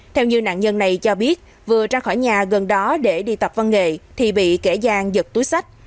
theo như nạn nhân này cho biết vừa ra khỏi nhà gần đó để đi tập văn nghệ thì bị kẻ gian giật túi sách